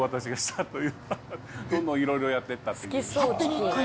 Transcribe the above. どんどんいろいろやってったという。